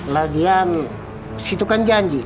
lagian situ kan janji